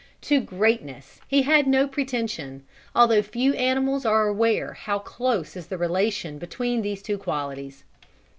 To greatness, he had no pretension, although few animals are aware how close is the relation between these two qualities.